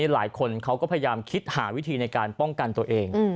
หลายคนเขาก็พยายามคิดหาวิธีในการป้องกันตัวเอง